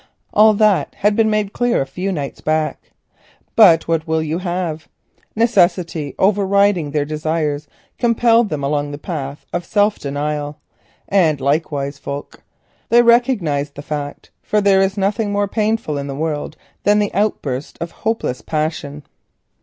All that had been made clear a few nights back. But what will you have? Necessity over riding their desires, compelled them along the path of self denial, and, like wise folk, they recognised the fact: for there is nothing more painful in the world than the outburst of hopeless affection.